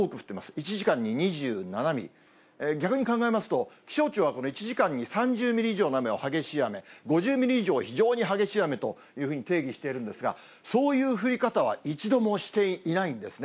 １時間に２７ミリ、逆に考えますと、気象庁はこの１時間に３０ミリ以上の雨を激しい雨、５０ミリ以上を非常に激しい雨というふうに定義しているんですが、そういう降り方は一度もしていないんですね。